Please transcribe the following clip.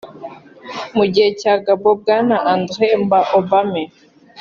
Mu gihugu cya Gabon Bwana André Mba Obame